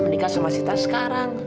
menikah sama sita sekarang